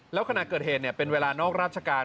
แล้วขณะเกิดเหตุเป็นเวลานอกราชการ